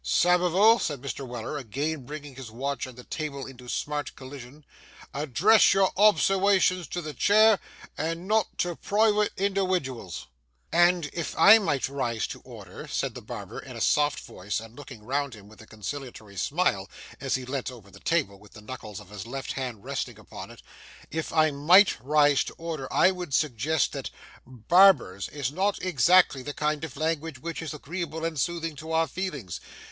'Samivel!' said Mr. Weller, again bringing his watch and the table into smart collision, 'address your obserwations to the cheer, sir, and not to priwate indiwiduals!' [Picture: A Rival Club] 'And if I might rise to order,' said the barber in a soft voice, and looking round him with a conciliatory smile as he leant over the table, with the knuckles of his left hand resting upon it,—'if I might rise to order, I would suggest that "barbers" is not exactly the kind of language which is agreeable and soothing to our feelings.